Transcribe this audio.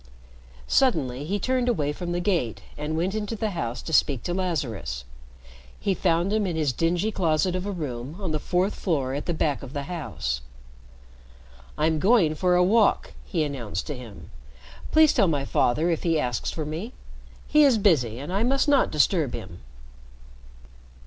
Suddenly he turned away from the gate and went into the house to speak to Lazarus. He found him in his dingy closet of a room on the fourth floor at the back of the house. "I am going for a walk," he announced to him. "Please tell my father if he asks for me. He is busy, and I must not disturb him."